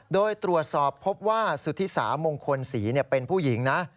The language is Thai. โดยตรวจสอบพบว่าสุธิสามงคลศรีเป็นผู้หญิงนะ